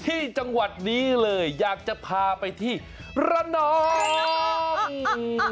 ที่จังหวัดนี้เลยอยากจะพาไปที่ระนอง